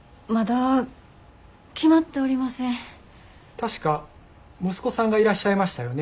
確か息子さんがいらっしゃいましたよね？